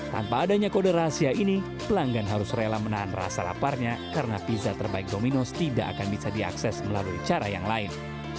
tanpa adanya kode rahasia ini pelanggan harus rela menahan rasa laparnya karena pizza terbaik dominos tidak akan bisa diakses melalui cara yang lain